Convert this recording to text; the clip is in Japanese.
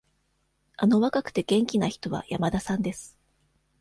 あの若くて、元気な人は山田さんです。